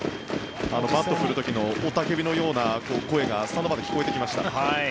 バットを振る時のおたけびのような声がスタンドまで聞こえてきました。